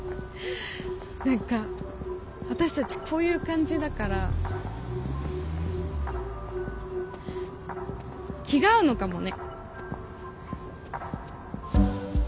何か私たちこういう感じだから気が合うのかもね。